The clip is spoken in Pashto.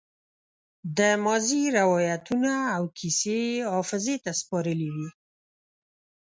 د ماضي روايتونه او کيسې يې حافظې ته سپارلې وي.